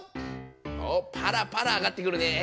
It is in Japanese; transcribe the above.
おっパラパラ挙がってくるね。